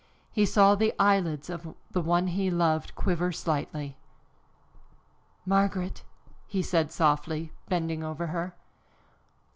He saw the eyelids of the one he loved quiver slightly. "Margaret!" he said softly, bending over her.